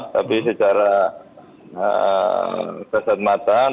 tapi secara kesat mata dan kesat kesehatan kita tidak tahu apa itu adalah apa itu